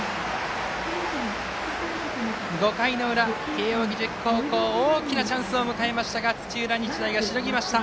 ５回の裏、慶応義塾高校大きなチャンスを迎えましたが土浦日大がしのぎました。